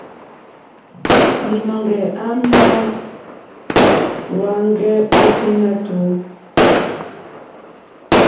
Līnɔ̄ŋgɛ̄ à màá hwēŋgɛ́ ôténá tùú.